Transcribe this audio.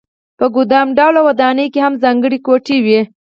په ګدام ډوله ودانۍ کې هم ځانګړې کوټې وې.